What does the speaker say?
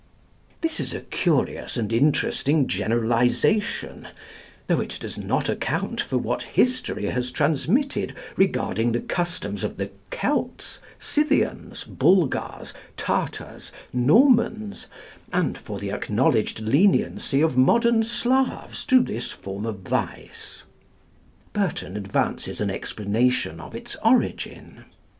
This is a curious and interesting generalisation, though it does not account for what history has transmitted regarding the customs of the Kelts, Scythians, Bulgars, Tartars, Normans, and for the acknowledged leniency of modern Slavs to this form of vice. Burton advances an explanation of its origin.